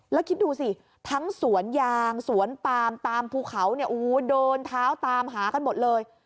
แล้วคิดดูสิทั้งสวนยางสวนปามตามภูเขาเนี่ยโอ้โหเดินเท้าตามหากันหมดเลย